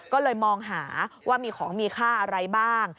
ก็เลยมองหาว่ามีของมีค่าอะไรบ้าง